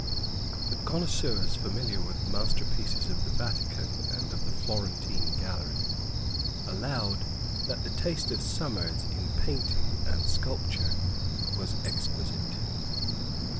But connoisseurs familiar with the masterpieces of the Vatican and of the Florentine gallery allowed that the taste of Somers in painting and sculpture was exquisite.